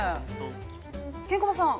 ケンコバさん。